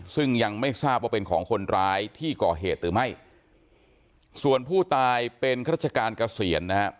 ซึ่งยังไม่ทราบว่าเป็นของคนร้ายที่ก่อเหตุหรือไม่ส่วนผู้ตายเป็นข้าราชการเกษียณนะครับ